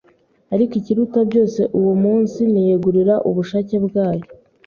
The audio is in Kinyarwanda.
ariko ikiruta byose uwo munsi niyegurira ubushake bwayo.